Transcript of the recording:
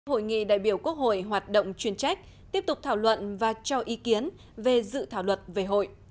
hội nghị đại biểu quốc hội hoạt động chuyên trách tiếp tục thảo luận và cho ý kiến về dự thảo luật về hội